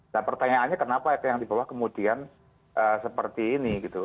nah pertanyaannya kenapa yang dibawah kemudian seperti ini gitu